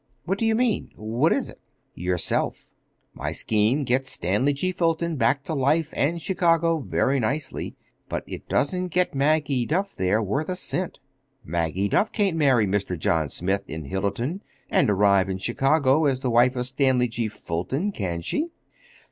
"What do you mean? What is it?" "Yourself. My scheme gets Stanley G. Fulton back to life and Chicago very nicely; but it doesn't get Maggie Duff there worth a cent! Maggie Duff can't marry Mr. John Smith in Hillerton and arrive in Chicago as the wife of Stanley G. Fulton, can she?"